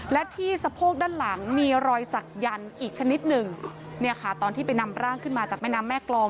และที่สะโพกด้านหลังมีรอยสักยันต์อีกชนิดหนึ่งเนี่ยค่ะตอนที่ไปนำร่างขึ้นมาจากแม่น้ำแม่กรอง